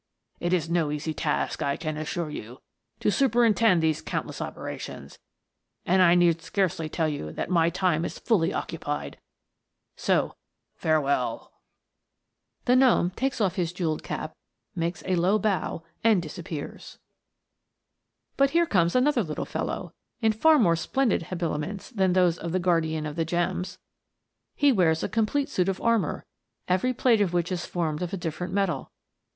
It is no easy task, I can assure you, to superintend these count less operations, and I need scarcely tell you that my time is fully occupied so, farewell !" The gnome takes off his jewelled cap, makes a low bow, and disappears. THE GNOMES. 269 But liei'e comes another little fellow, in far more splendid habiliments than those of the guardian of the gems. He wears a complete suit of armour, every plate of which is formed of a different metal.